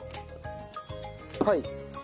はい。